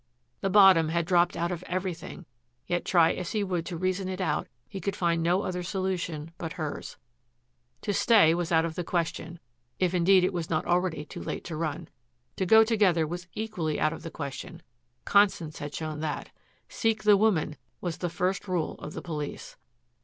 The bottom had dropped out of everything, yet try as he would to reason it out, he could find no other solution but hers. To stay was out of the question, if indeed it was not already too late to run. To go together was equally out of the question. Constance had shown that. "Seek the woman," was the first rule of the police.